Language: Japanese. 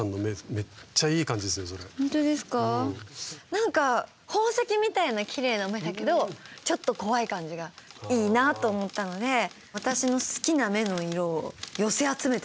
なんか宝石みたいなきれいな目だけどちょっと怖い感じがいいなと思ったので私の好きな目の色を寄せ集めてる感じになってます。